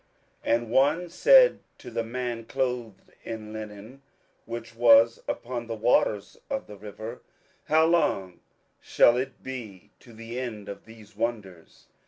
27:012:006 And one said to the man clothed in linen, which was upon the waters of the river, How long shall it be to the end of these wonders?